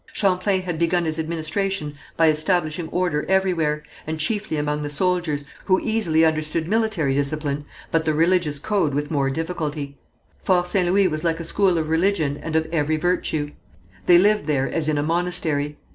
Champlain had begun his administration by establishing order everywhere, and chiefly among the soldiers, who easily understood military discipline, but the religious code with more difficulty. Fort St. Louis was like a school of religion and of every virtue. They lived there as in a monastery.